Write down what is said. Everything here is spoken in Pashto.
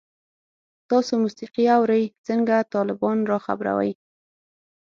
تاسو موسیقی اورئ؟ څنګه، طالبان را خبروئ